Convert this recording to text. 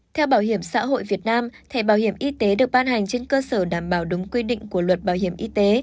theo bảo hiểm xã hội việt nam thẻ bảo hiểm y tế được ban hành trên cơ sở đảm bảo đúng quy định của luật bảo hiểm y tế